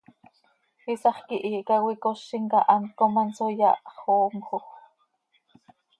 Iisax quihiih quih cöicozim cah hant com hanso yahxoomjoj.